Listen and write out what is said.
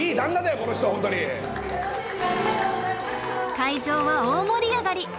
会場は大盛り上がり！